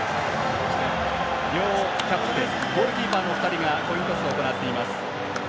両キャプテンゴールキーパーの２人がコイントスを行っています。